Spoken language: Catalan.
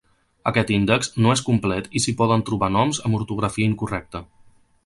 Aquest índex no és complet i s'hi poden trobar noms amb ortografia incorrecta.